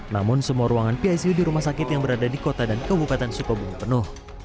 namun semua ruangan picu di rumah sakit yang berada di kota dan kabupaten sukabumi penuh